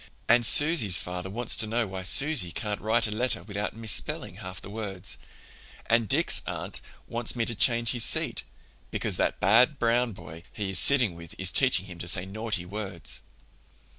And Susy's father wants to know why Susy can't write a letter without misspelling half the words, and Dick's aunt wants me to change his seat, because that bad Brown boy he is sitting with is teaching him to say naughty words.